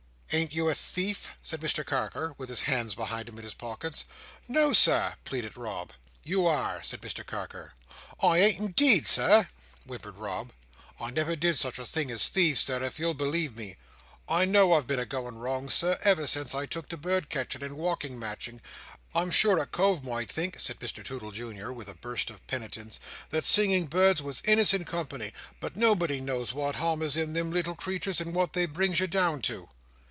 "Ain't you a thief?" said Mr Carker, with his hands behind him in his pockets. "No, sir," pleaded Rob. "You are!" said Mr Carker. "I ain't indeed, Sir," whimpered Rob. "I never did such a thing as thieve, Sir, if you'll believe me. I know I've been a going wrong, Sir, ever since I took to bird catching and walking matching. I'm sure a cove might think," said Mr Toodle Junior, with a burst of penitence, "that singing birds was innocent company, but nobody knows what harm is in them little creeturs and what they brings you down to."